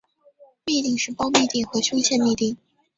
嘧啶是胞嘧啶和胸腺嘧啶。